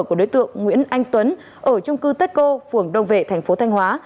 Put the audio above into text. của đối tượng nguyễn anh tuấn ở trung cư tết cô phường đông vệ thành phố thanh hóa